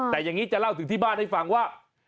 แต่อย่างนี้จะเล่าถึงที่บ้านให้ฟังว่า